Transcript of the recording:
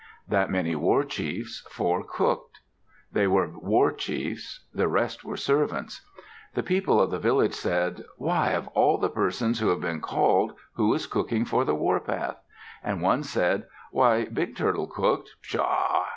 That many war chiefs, four, cooked. They were war chiefs. The rest were servants. The people of the village said, "Why! Of the persons who have been called, who is cooking for the warpath?" And one said, "Why! Big Turtle cooked. Pshaw!